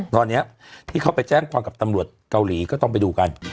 ตอนนี้ที่เขาไปแจ้งความกับตำรวจเกาหลีก็ต้องไปดูกัน